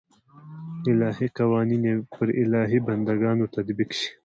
الهي قوانین پر الهي بنده ګانو تطبیق شي.